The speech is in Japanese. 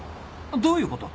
どういうこと？